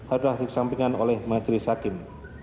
adalah disampingkan oleh majelis hakim